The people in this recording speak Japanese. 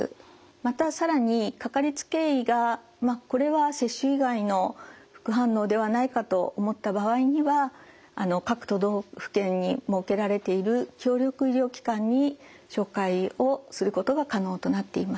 また更にかかりつけ医がこれは接種以外の副反応ではないかと思った場合には各都道府県に設けられている協力医療機関に紹介をすることが可能となっています。